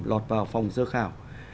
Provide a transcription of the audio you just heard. lọt vào vòng sơ khảo